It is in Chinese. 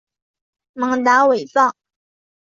蒙达韦藏。